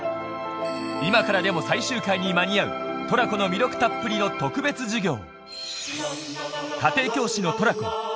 今からでも最終回に間に合うトラコの魅力たっぷりの特別授業